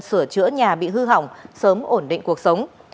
sửa chữa nhà bị hư hỏng sớm ổn định cuộc sống